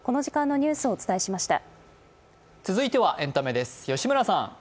続いてはエンタメです。